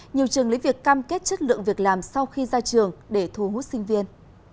nhiều trường lấy việc cam kết chất lượng việc làm sau khi ra trường để thu hút sinh viên